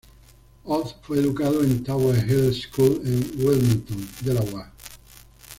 Oz fue educado en Tower Hill School en Wilmington, Delaware.